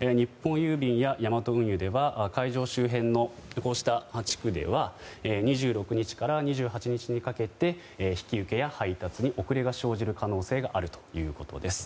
日本郵便やヤマト運輸では会場周辺の地区では２６日から２８日にかけて引き受けや配達に遅れが生じる可能性があるということです。